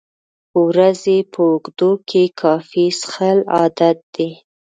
د ورځې په اوږدو کې کافي څښل عادت دی.